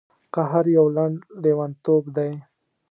قهر یو لنډ لیونتوب دی.